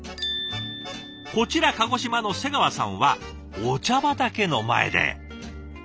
こちら鹿児島のせがわさんはお茶畑の前で。